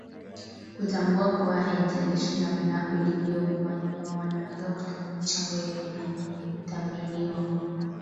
kutambua kuwa haijalishi namna ulivyokuwa nyuma wanaweza kutoa michango yenye kuthaminiwa